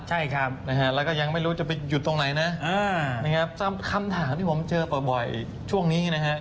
ใช่ครับนะฮะแล้วก็ยังไม่รู้จะไปหยุดตรงไหนนะนะครับคำถามที่ผมเจอบ่อยช่วงนี้นะฮะ